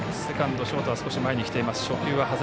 セカンド、ショートが前に来ています。